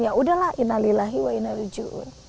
ya udahlah innalillahi wa innaliju